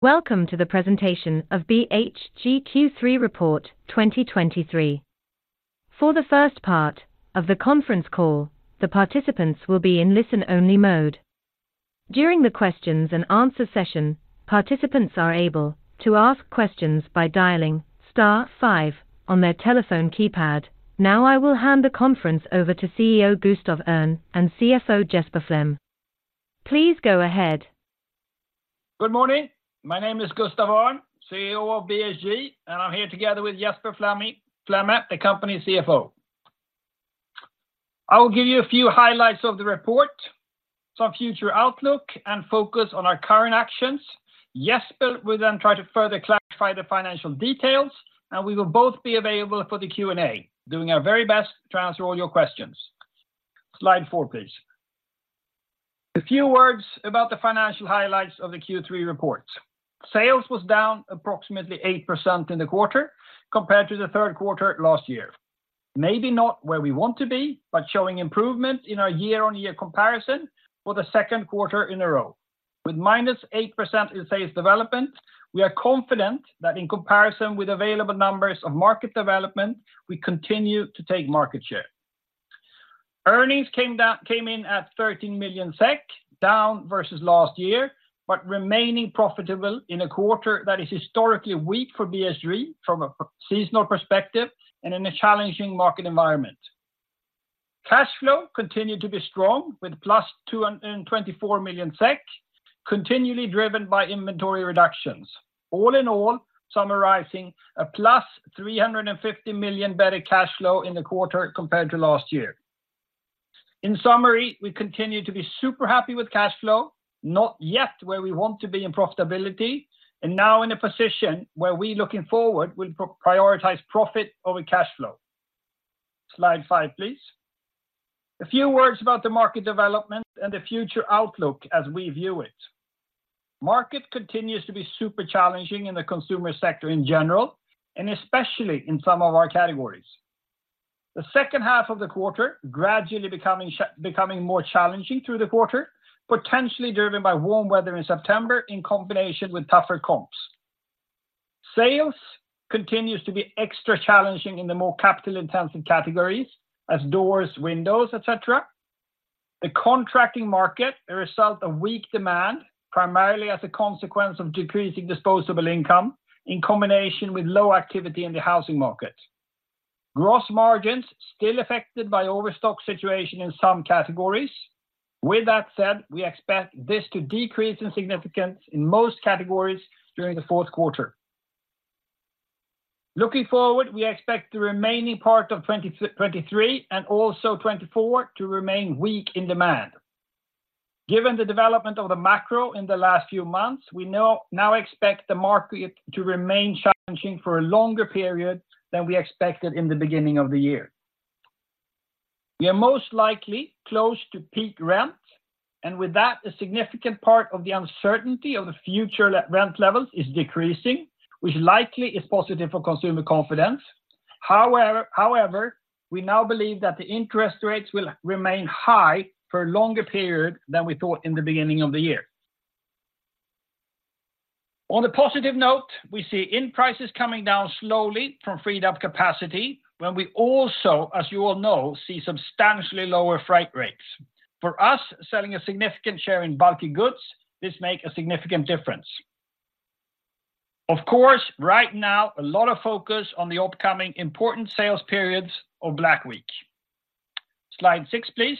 Welcome to the presentation of BHG Q3 Report 2023. For the first part of the conference call, the participants will be in listen-only mode. During the questions and answer session, participants are able to ask questions by dialing star five on their telephone keypad. Now, I will hand the conference over to CEO Gustaf Öhrn and CFO Jesper Flemme. Please go ahead. Good morning. My name is Gustaf Öhrn, CEO of BHG, and I'm here together with Jesper Flemme, Flemme, the company CFO. I will give you a few highlights of the report, some future outlook, and focus on our current actions. Jesper will then try to further clarify the financial details, and we will both be available for the Q&A, doing our very best to answer all your questions. Slide four, please. A few words about the financial highlights of the Q3 report. Sales was down approximately 8% in the quarter compared to the Q3 last year. Maybe not where we want to be, but showing improvement in our year-on-year comparison for the Q2 in a row. With minus 8% in sales development, we are confident that in comparison with available numbers of market development, we continue to take market share. Earnings came in at 13 million SEK, down versus last year, but remaining profitable in a quarter that is historically weak for BHG from a seasonal perspective and in a challenging market environment. Cash flow continued to be strong with +224 million SEK, continually driven by inventory reductions. All in all, summarizing a +350 million SEK better cash flow in the quarter compared to last year. In summary, we continue to be super happy with cash flow, not yet where we want to be in profitability, and now in a position where we, looking forward, will prioritize profit over cash flow. Slide 5, please. A few words about the market development and the future outlook as we view it. Market continues to be super challenging in the consumer sector in general, and especially in some of our categories. The second half of the quarter gradually becoming becoming more challenging through the quarter, potentially driven by warm weather in September in combination with tougher comps. Sales continues to be extra challenging in the more capital-intensive categories, as doors, windows, et cetera. The contracting market, a result of weak demand, primarily as a consequence of decreasing disposable income in combination with low activity in the housing market. Gross margins still affected by overstock situation in some categories. With that said, we expect this to decrease in significance in most categories during the Q4. Looking forward, we expect the remaining part of 2023 and also 2024 to remain weak in demand. Given the development of the macro in the last few months, we now expect the market to remain challenging for a longer period than we expected in the beginning of the year. We are most likely close to peak rent, and with that, a significant part of the uncertainty of the future rent levels is decreasing, which likely is positive for consumer confidence. However, however, we now believe that the interest rates will remain high for a longer period than we thought in the beginning of the year. On a positive note, we see input prices coming down slowly from freed-up capacity, when we also, as you all know, see substantially lower freight rates. For us, selling a significant share in bulky goods, this make a significant difference. Of course, right now, a lot of focus on the upcoming important sales periods or Black Week. Slide six, please.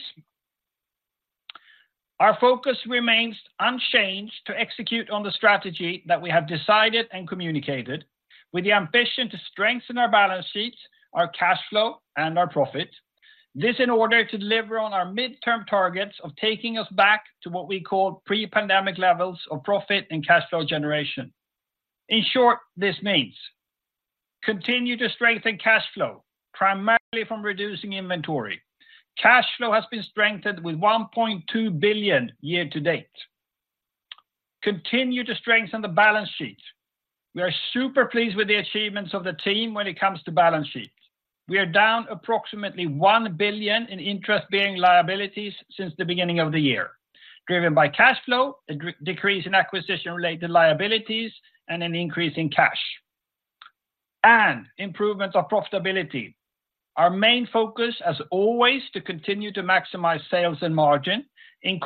Our focus remains unchanged to execute on the strategy that we have decided and communicated, with the ambition to strengthen our balance sheets, our cash flow, and our profit. This in order to deliver on our midterm targets of taking us back to what we call pre-pandemic levels of profit and cash flow generation. In short, this means: continue to strengthen cash flow, primarily from reducing inventory. Cash flow has been strengthened with 1.2 billion year to date. Continue to strengthen the balance sheet. We are super pleased with the achievements of the team when it comes to balance sheet. We are down approximately 1 billion in interest-bearing liabilities since the beginning of the year, driven by cash flow, a decrease in acquisition-related liabilities, and an increase in cash. And improvement of profitability. Our main focus, as always, to continue to maximize sales and margin, in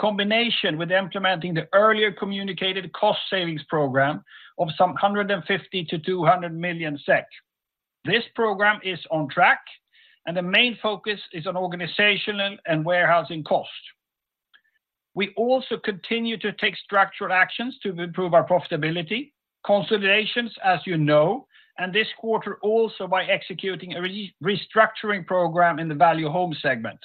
combination with implementing the earlier communicated cost savings program of some 150-200 million SEK. This program is on track, and the main focus is on organizational and warehousing cost. We also continue to take structural actions to improve our profitability, consolidations, as you know, and this quarter also by executing a restructuring program in the Value Home segment.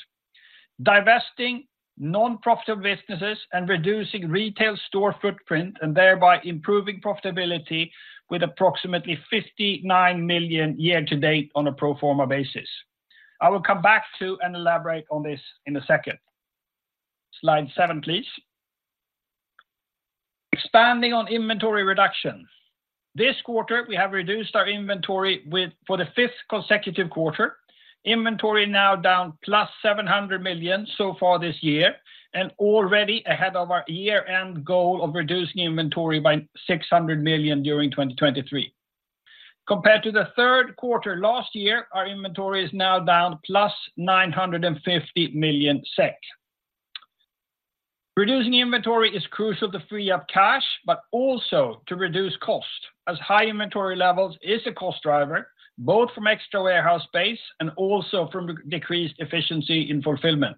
Divesting non-profit businesses and reducing retail store footprint, and thereby improving profitability with approximately 59 million year to date on a pro forma basis. I will come back to and elaborate on this in a second. Slide seven, please. Expanding on inventory reduction. This quarter, we have reduced our inventory with for the fifth consecutive quarter. Inventory now down +700 million SEK so far this year, and already ahead of our year-end goal of reducing inventory by 600 million SEK during 2023. Compared to the Q3 last year, our inventory is now down +950 million SEK. Reducing inventory is crucial to free up cash, but also to reduce cost, as high inventory levels is a cost driver, both from extra warehouse space and also from the decreased efficiency in fulfillment.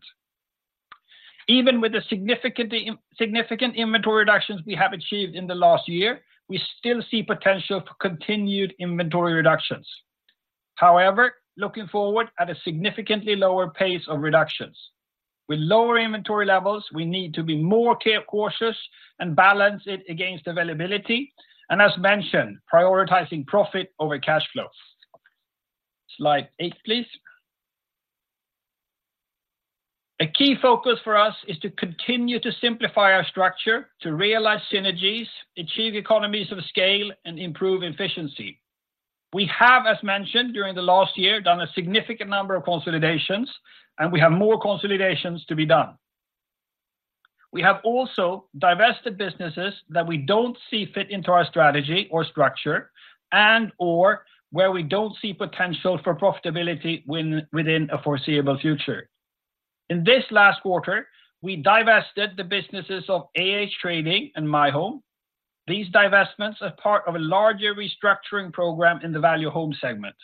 Even with the significant inventory reductions we have achieved in the last year, we still see potential for continued inventory reductions. However, looking forward at a significantly lower pace of reductions. With lower inventory levels, we need to be more cautious and balance it against availability, and as mentioned, prioritizing profit over cash flow. Slide eight, please. A key focus for us is to continue to simplify our structure, to realize synergies, achieve economies of scale, and improve efficiency. We have, as mentioned, during the last year, done a significant number of consolidations, and we have more consolidations to be done. We have also divested businesses that we don't see fit into our strategy or structure, and/or where we don't see potential for profitability win, within a foreseeable future. In this last quarter, we divested the businesses of AH-Trading and MyHome. These divestments are part of a larger restructuring program in the Value Home segment.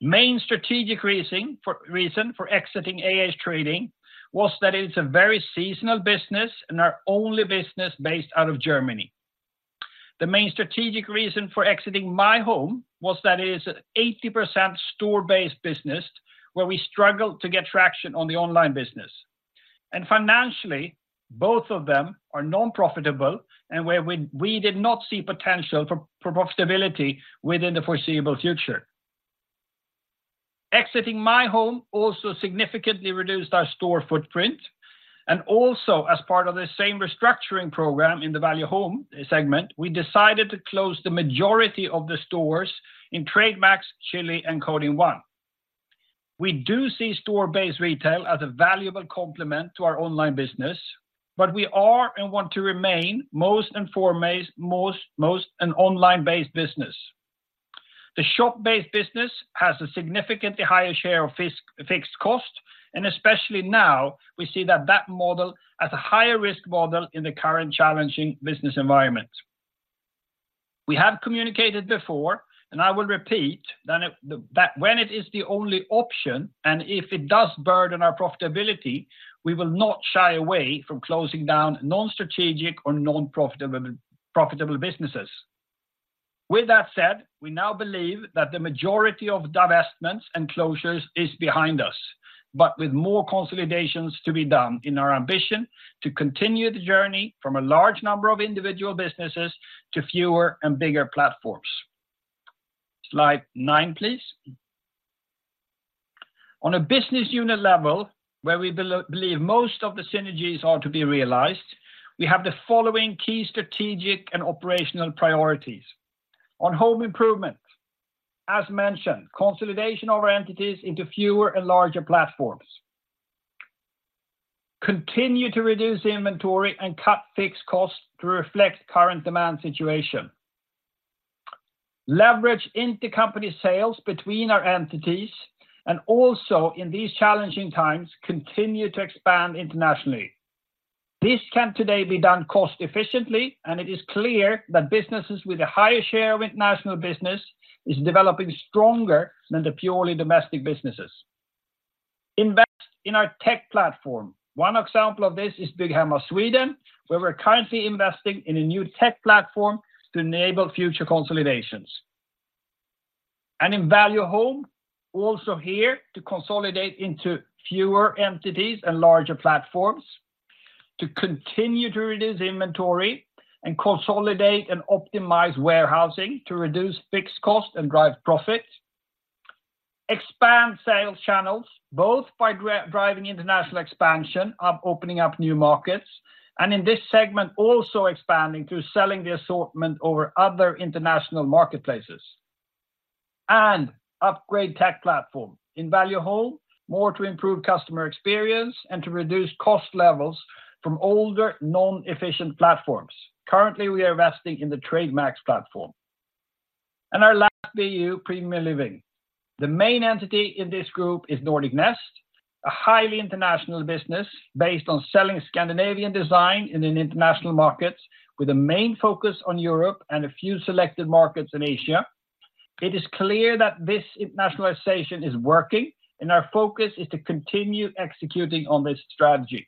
The main strategic reason for exiting AH-Trading was that it's a very seasonal business and our only business based out of Germany. The main strategic reason for exiting MyHome was that it is an 80% store-based business, where we struggled to get traction on the online business. Financially, both of them are non-profitable, and where we did not see potential for profitability within the foreseeable future. Exiting MyHome also significantly reduced our store footprint, and also as part of the same restructuring program in the Value Home segment, we decided to close the majority of the stores in Trademax, Chilli, and Kodin1. We do see store-based retail as a valuable complement to our online business, but we are and want to remain foremost an online-based business. The shop-based business has a significantly higher share of fixed cost, and especially now, we see that model as a higher risk model in the current challenging business environment. We have communicated before, and I will repeat, that when it is the only option, and if it does burden our profitability, we will not shy away from closing down non-strategic or non-profitable businesses. With that said, we now believe that the majority of divestments and closures is behind us, but with more consolidations to be done in our ambition to continue the journey from a large number of individual businesses to fewer and bigger platforms. Slide 9, please. On a business unit level, where we believe most of the synergies are to be realized, we have the following key strategic and operational priorities. On Home Improvement, as mentioned, consolidation of our entities into fewer and larger platforms. Continue to reduce inventory and cut fixed costs to reflect current demand situation. Leverage intercompany sales between our entities and also, in these challenging times, continue to expand internationally. This can today be done cost efficiently, and it is clear that businesses with a higher share of international business is developing stronger than the purely domestic businesses. Invest in our tech platform. One example of this is Bygghemma Sweden, where we're currently investing in a new tech platform to enable future consolidations. In Value Home, also here to consolidate into fewer entities and larger platforms, to continue to reduce inventory and consolidate and optimize warehousing to reduce fixed cost and drive profit. Expand sales channels, both by driving international expansion of opening up new markets, and in this segment, also expanding to selling the assortment over other international marketplaces. Upgrade tech platform. In Value Home, more to improve customer experience and to reduce cost levels from older, non-efficient platforms. Currently, we are investing in the Trademax platform. Our last BU, Premium Living. The main entity in this group is Nordic Nest, a highly international business based on selling Scandinavian design in an international market, with a main focus on Europe and a few selected markets in Asia. It is clear that this internationalization is working, and our focus is to continue executing on this strategy.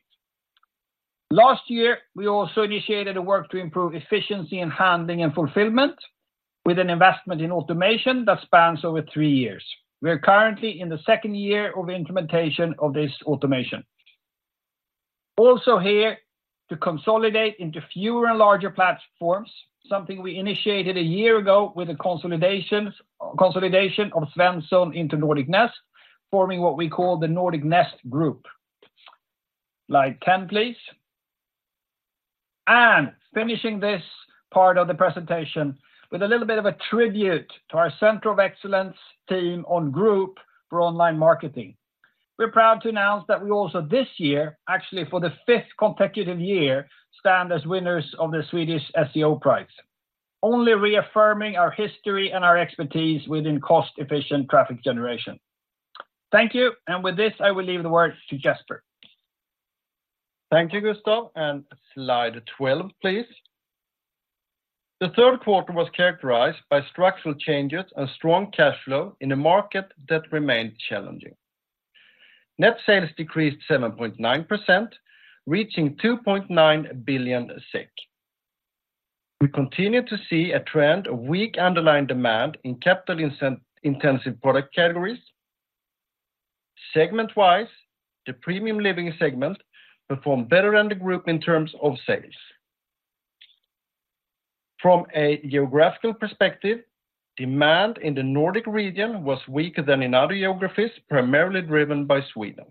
Last year, we also initiated a work to improve efficiency in handling and fulfillment with an investment in automation that spans over three years. We are currently in the second year of implementation of this automation. Also here, to consolidate into fewer and larger platforms, something we initiated a year ago with a consolidation of Svenssons into Nordic Nest, forming what we call the Nordic Nest Group.... Slide 10, please. Finishing this part of the presentation with a little bit of a tribute to our Center of Excellence team on group for online marketing. We're proud to announce that we also, this year, actually, for the fifth consecutive year, stand as winners of the Swedish SEO Prize, only reaffirming our history and our expertise within cost-efficient traffic generation. Thank you, and with this, I will leave the words to Jesper. Thank you, Gustaf, and slide 12, please. The Q3 was characterized by structural changes and strong cash flow in a market that remained challenging. Net sales decreased 7.9%, reaching 2.9 billion SEK. We continue to see a trend of weak underlying demand in capital-intensive product categories. Segment-wise, the premium living segment performed better than the group in terms of sales. From a geographical perspective, demand in the Nordic region was weaker than in other geographies, primarily driven by Sweden.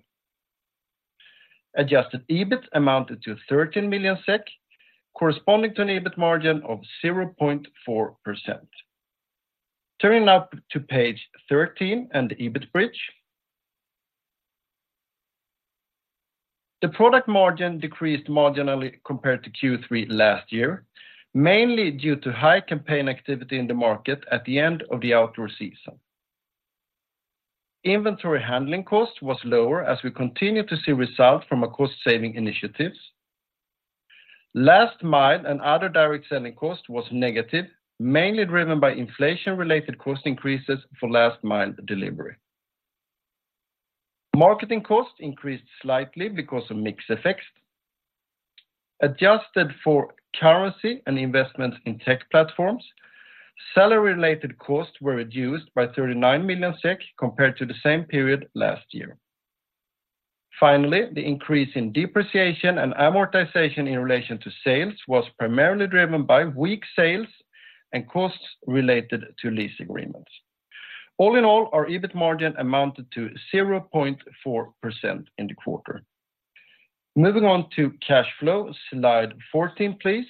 Adjusted EBIT amounted to 13 million SEK, corresponding to an EBIT margin of 0.4%. Turning now to page 13 and the EBIT bridge. The product margin decreased marginally compared to Q3 last year, mainly due to high campaign activity in the market at the end of the outdoor season. Inventory handling cost was lower as we continue to see results from our cost-saving initiatives. Last mile and other direct selling costs was negative, mainly driven by inflation-related cost increases for last mile delivery. Marketing costs increased slightly because of mix effects. Adjusted for currency and investments in tech platforms, salary-related costs were reduced by 39 million SEK compared to the same period last year. Finally, the increase in depreciation and amortization in relation to sales was primarily driven by weak sales and costs related to lease agreements. All in all, our EBIT margin amounted to 0.4% in the quarter. Moving on to cash flow. Slide 14, please.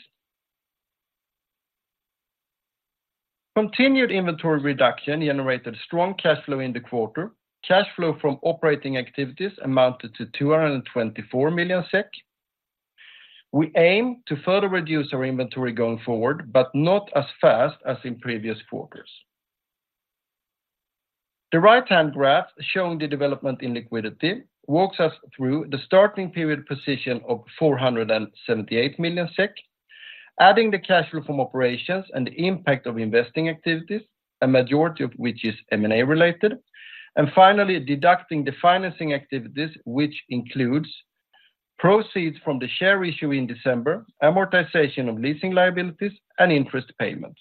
Continued inventory reduction generated strong cash flow in the quarter. Cash flow from operating activities amounted to 224 million SEK. We aim to further reduce our inventory going forward, but not as fast as in previous quarters. The right-hand graph, showing the development in liquidity, walks us through the starting period position of 478 million SEK, adding the cash flow from operations and the impact of investing activities, a majority of which is M&A related, and finally deducting the financing activities, which includes proceeds from the share issue in December, amortization of leasing liabilities, and interest payments,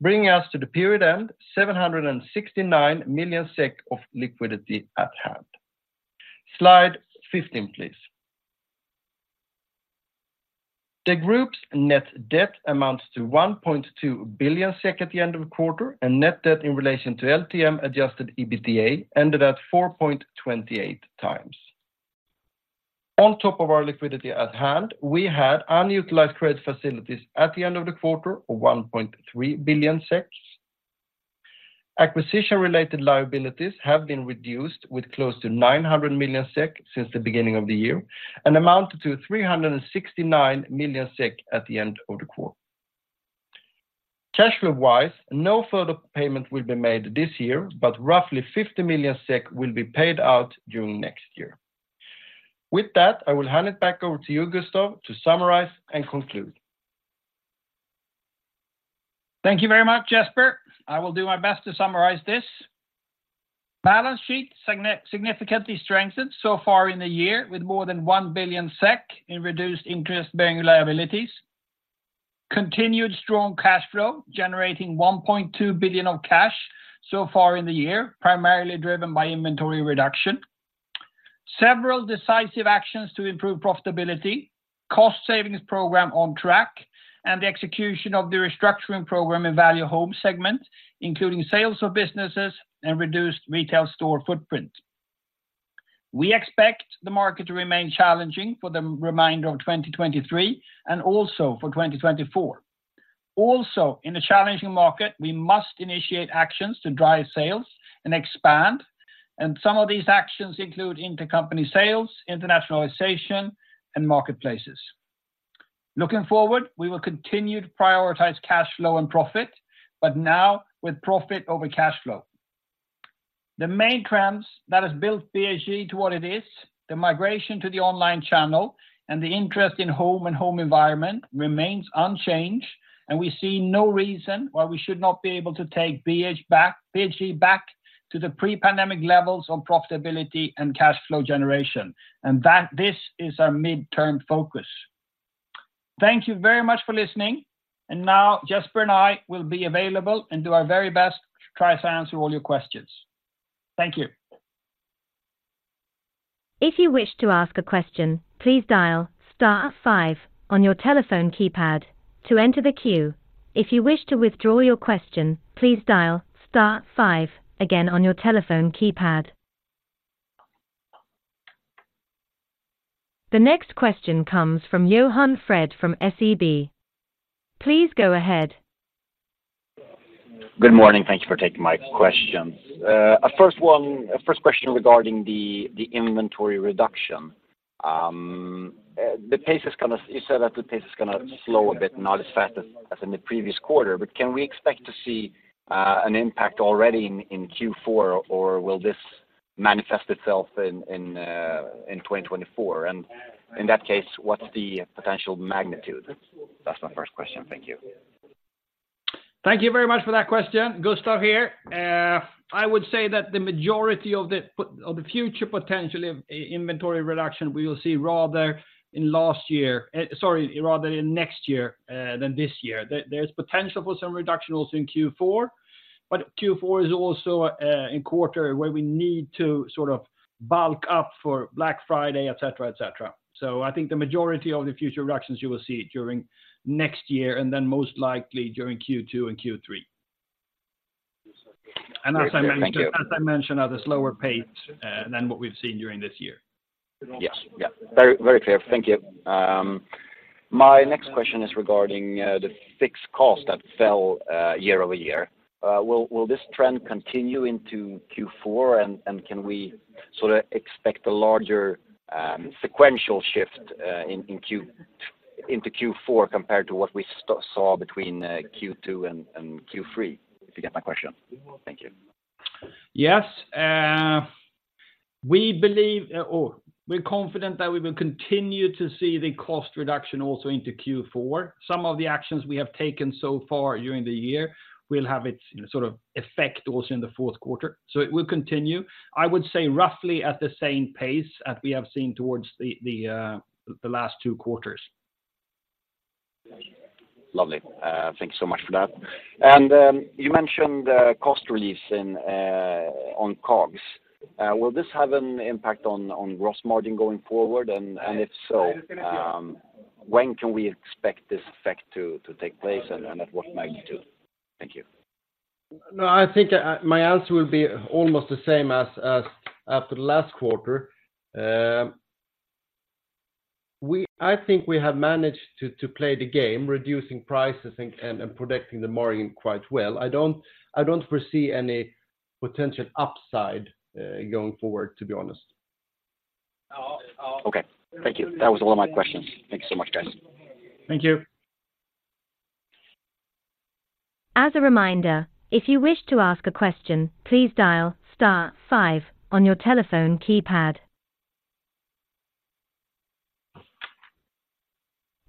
bringing us to the period end, 769 million SEK of liquidity at hand. Slide 15, please. The group's net debt amounts to 1.2 billion SEK at the end of the quarter, and net debt in relation to LTM adjusted EBITDA ended at 4.28 times. On top of our liquidity at hand, we had unutilized credit facilities at the end of the quarter of 1.3 billion SEK. Acquisition-related liabilities have been reduced with close to 900 million SEK since the beginning of the year and amounted to 369 million SEK at the end of the quarter. Cash flow-wise, no further payment will be made this year, but roughly 50 million SEK will be paid out during next year. With that, I will hand it back over to you, Gustaf, to summarize and conclude. Thank you very much, Jesper. I will do my best to summarize this. Balance sheet significantly strengthened so far in the year, with more than 1 billion SEK in reduced interest-bearing liabilities. Continued strong cash flow, generating 1.2 billion of cash so far in the year, primarily driven by inventory reduction. Several decisive actions to improve profitability, cost savings program on track, and the execution of the restructuring program in Value Home segment, including sales of businesses and reduced retail store footprint. We expect the market to remain challenging for the remainder of 2023 and also for 2024. Also, in a challenging market, we must initiate actions to drive sales and expand, and some of these actions include intercompany sales, internationalization, and marketplaces. Looking forward, we will continue to prioritize cash flow and profit, but now with profit over cash flow. The main trends that has built BHG to what it is, the migration to the online channel, and the interest in home and home environment remains unchanged, and we see no reason why we should not be able to take BHG back to the pre-pandemic levels of profitability and cash flow generation, and that this is our midterm focus. Thank you very much for listening, and now Jesper and I will be available and do our very best to try to answer all your questions. Thank you. If you wish to ask a question, please dial star five on your telephone keypad to enter the queue. If you wish to withdraw your question, please dial star five again on your telephone keypad. The next question comes from Johan Fred from SEB. Please go ahead. Good morning. Thank you for taking my questions. A first question regarding the inventory reduction. The pace is gonna slow a bit, not as fast as in the previous quarter, but can we expect to see an impact already in Q4, or will this manifest itself in 2024? And in that case, what's the potential magnitude? That's my first question. Thank you. Thank you very much for that question. Gustaf here. I would say that the majority of the future potential in inventory reduction we will see rather in last year, sorry, rather in next year than this year. There's potential for some reduction also in Q4, but Q4 is also a quarter where we need to sort of bulk up for Black Friday, et cetera, et cetera. So I think the majority of the future reductions you will see during next year, and then most likely during Q2 and Q3. Great. Thank you. As I mentioned, at a slower pace than what we've seen during this year. Yes. Yeah. Very, very clear. Thank you. My next question is regarding the fixed cost that fell year over year. Will this trend continue into Q4? And can we sorta expect a larger sequential shift into Q4 compared to what we saw between Q2 and Q3? If you get my question. Thank you. Yes. We believe we're confident that we will continue to see the cost reduction also into Q4. Some of the actions we have taken so far during the year will have its, you know, sort of effect also in the Q4. So it will continue, I would say roughly at the same pace as we have seen towards the last two quarters. Lovely. Thank you so much for that. You mentioned the cost release on COGS. Will this have an impact on gross margin going forward? And if so, when can we expect this effect to take place, and at what magnitude? Thank you. No, I think my answer will be almost the same as after the last quarter. I think we have managed to play the game, reducing prices and protecting the margin quite well. I don't foresee any potential upside going forward, to be honest. Okay. Thank you. That was all my questions. Thank you so much, guys. Thank you. As a reminder, if you wish to ask a question, please dial star five on your telephone keypad.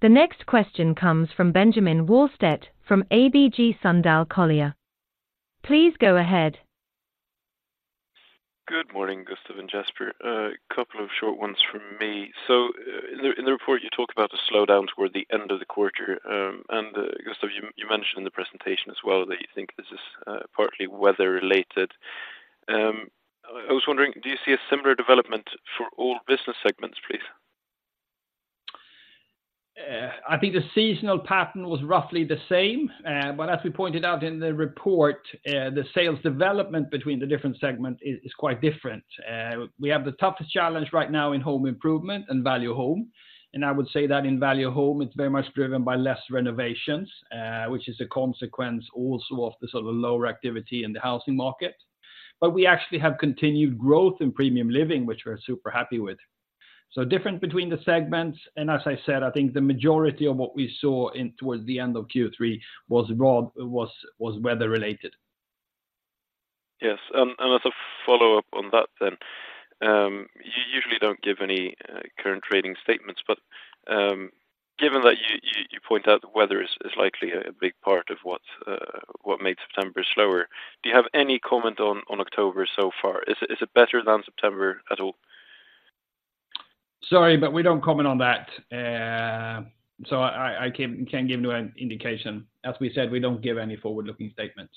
The next question comes from Benjamin Wahlstedt from ABG Sundal Collier. Please go ahead. Good morning, Gustaf and Jesper. A couple of short ones from me. So, in the report, you talk about a slowdown toward the end of the quarter. And, Gustaf, you mentioned in the presentation as well that you think this is partly weather related. I was wondering, do you see a similar development for all business segments, please? I think the seasonal pattern was roughly the same, but as we pointed out in the report, the sales development between the different segments is quite different. We have the toughest challenge right now in home improvement and value home, and I would say that in value home, it's very much driven by less renovations, which is a consequence also of the sort of lower activity in the housing market. But we actually have continued growth in premium living, which we're super happy with. So different between the segments, and as I said, I think the majority of what we saw towards the end of Q3 was weather related. Yes, and as a follow-up on that then, you usually don't give any current trading statements, but given that you point out the weather is likely a big part of what made September slower, do you have any comment on October so far? Is it better than September at all? Sorry, but we don't comment on that. So I can't give you an indication. As we said, we don't give any forward-looking statements.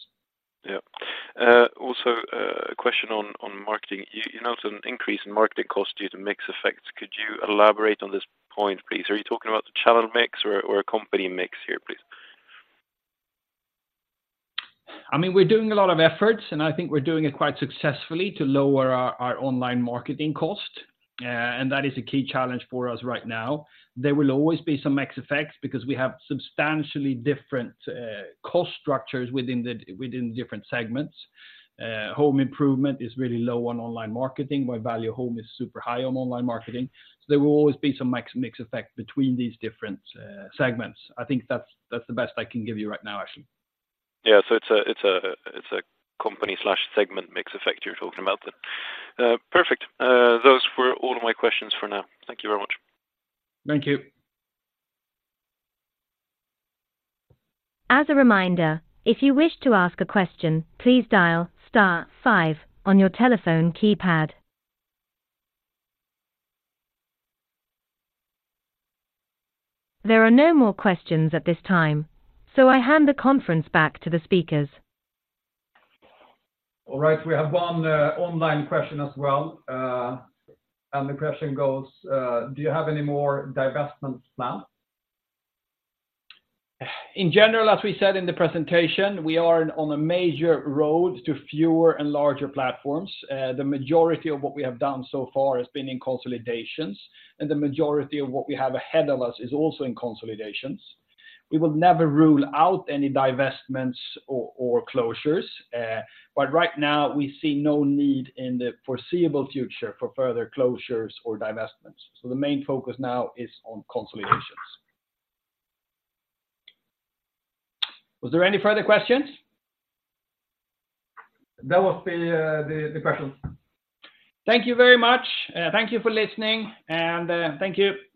Yeah. Also, a question on marketing. You noted an increase in marketing costs due to mix effects. Could you elaborate on this point, please? Are you talking about the channel mix or a company mix here, please? I mean, we're doing a lot of efforts, and I think we're doing it quite successfully to lower our online marketing cost, and that is a key challenge for us right now. There will always be some mix effects because we have substantially different cost structures within the different segments. Home improvement is really low on online marketing, where value home is super high on online marketing. So there will always be some mix effect between these different segments. I think that's the best I can give you right now, actually. Yeah. So it's a company segment mix effect you're talking about then. Perfect. Those were all of my questions for now. Thank you very much. Thank you. As a reminder, if you wish to ask a question, please dial star five on your telephone keypad. There are no more questions at this time, so I hand the conference back to the speakers. All right, we have one online question as well. And the question goes, “Do you have any more divestments planned?” In general, as we said in the presentation, we are on a major road to fewer and larger platforms. The majority of what we have done so far has been in consolidations, and the majority of what we have ahead of us is also in consolidations. We will never rule out any divestments or closures, but right now we see no need in the foreseeable future for further closures or divestments. The main focus now is on consolidations. Was there any further questions? That was the question. Thank you very much. Thank you for listening, and thank you.